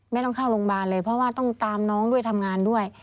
ต้องเข้าโรงพยาบาลเลยเพราะว่าต้องตามน้องด้วยทำงานด้วย